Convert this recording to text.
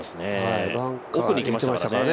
奥に入れてましたからね。